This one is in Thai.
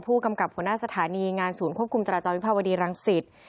ผู้กำกับหัวหน้าสถานีงานศูนย์ควบคุมเจรจรวิภาวดีรังสิต